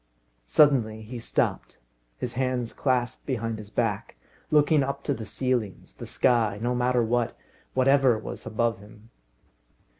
Suddenly he stopped, his hands clasped behind his back, looking up to the ceilings the sky no matter what whatever was above him.